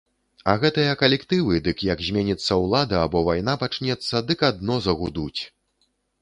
А гэтыя калектывы, дык як зменіцца ўлада або вайна пачнецца, дык адно загудуць.